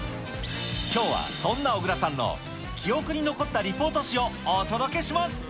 きょうはそんな小倉さんの記憶に残ったリポート史をお届けします。